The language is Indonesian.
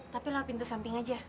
tapi lu hapin tuh samping aja